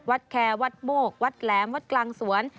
แคร์วัดโมกวัดแหลมวัดกลางสวน